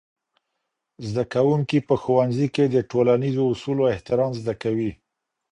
زدهکوونکي په ښوونځي کي د ټولنیزو اصولو احترام زده کوي.